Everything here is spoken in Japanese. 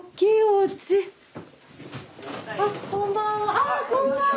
あっこんばんは。